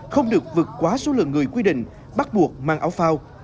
không được vượt quá số lượng người quy định bắt buộc mang áo phao